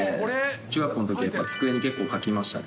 中学校のときやっぱり机に結構描きましたね。